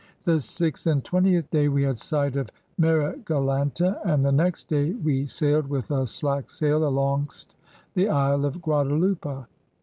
..• The six and twentieth day we had sight of Marigalanta, and the next day wee sailed with a slacke sail alongst the He of Guadalupa.